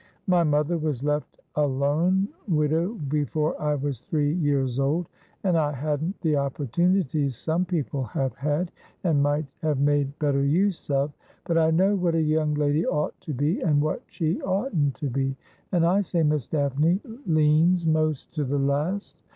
My mother was left a lone widow before I was three years old, and I hadn't the opportunities some people have had, and might have made better use of. But I know what a young lady ought to be, and what she oughtn't to be ; and I say Miss Daphne leans most to the last.